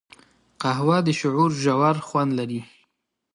قهوه د شعور ژور خوند لري